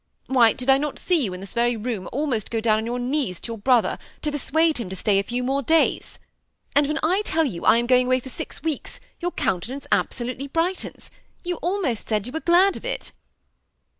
Why, did I not see you in this very room, almost go down on your knees to your brother, to persuade him to stay a few more days ? and when I tell you I am going away for six weeks, your countenance absolutely brightens ; you almost said you were glad of it."